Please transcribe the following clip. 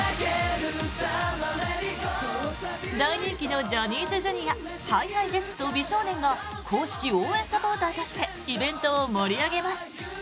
大人気のジャニーズＪｒ．ＨｉＨｉＪｅｔｓと美少年が公式応援サポーターとしてイベントを盛り上げます。